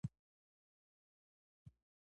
احمد په خټه کې مېلمه پالنه اخښلې ده.